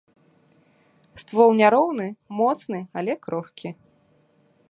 Ствол няроўны, моцны, але крохкі.